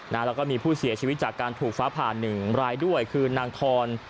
แล้วก็มีผู้เสียชีวิตจากการถูกฟ้าผ่านหนึ่งรายด้วยคือนางทร